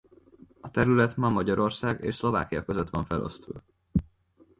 A terület ma Magyarország és Szlovákia között van felosztva.